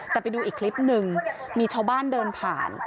แต่ไปดูอีกคลิปหนึ่งมีชาวบ้านเดินผ่าน